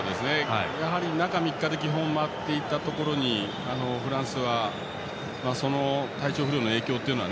やはり中３日で基本、回っていたところにフランスは、体調不良の影響で。